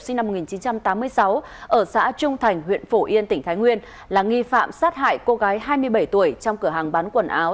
sinh năm một nghìn chín trăm tám mươi sáu ở xã trung thành huyện phổ yên tỉnh thái nguyên là nghi phạm sát hại cô gái hai mươi bảy tuổi trong cửa hàng bán quần áo